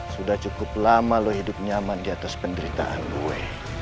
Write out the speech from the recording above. sudah cukup lama lo hidup nyaman diatas penderitaan gue